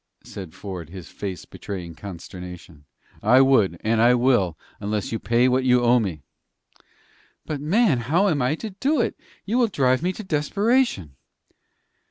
said Ford, his face betraying consternation. "I would, and I will, unless you pay what you owe me." "But, man, how am I to do it? You will drive me to desperation."